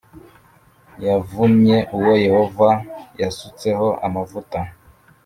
yavumye uwo Yehova yasutseho amavuta